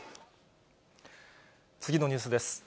次のニュースです。